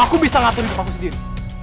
aku bisa ngaturin kepaku sendiri